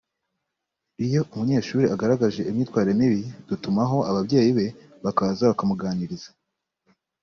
Iyo umunyeshuri agaragaje imyitwarire mibi dutumaho ababyeyi be bakaza bakamuganiriza